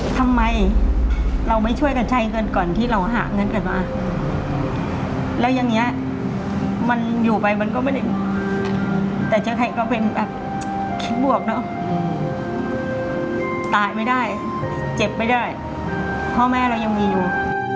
ตายไม่ได้เจ็บไม่ได้พ่อแม่เรายังมีอยู่